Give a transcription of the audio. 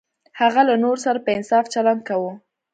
هغه له نورو سره په انصاف چلند کاوه.